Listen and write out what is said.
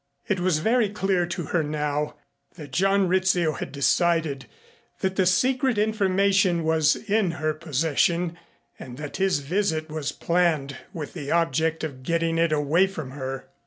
It was very clear to her now that John Rizzio had decided that the secret information was in her possession and that his visit was planned with the object of getting it away from her.